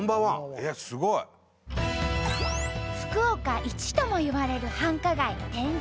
えっすごい！福岡一ともいわれる繁華街天神。